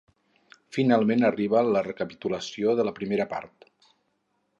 Finalment arriba la recapitulació de la primera part.